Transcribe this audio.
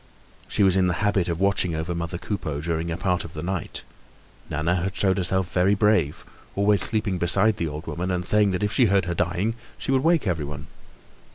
She was in the habit of watching over mother Coupeau during a part of the night. Nana had showed herself very brave, always sleeping beside the old woman, and saying that if she heard her dying, she would wake everyone.